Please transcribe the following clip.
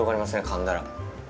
かんだら。